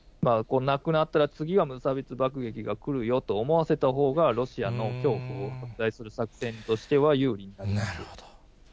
なくなったら、次は無差別爆撃が来るよと思わせたほうが、ロシアの恐怖を拡大する作戦としては有利になると。